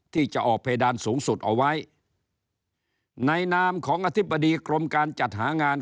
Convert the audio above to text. ที่จะออกเพดานสูงสุดเอาไว้ในนามของอธิบดีกรมการจัดหางาน